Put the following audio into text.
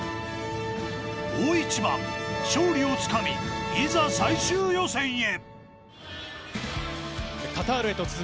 大一番、勝利を掴み、いざ最終予選へ。